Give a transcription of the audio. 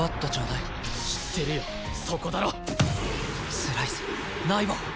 スライスナイボー！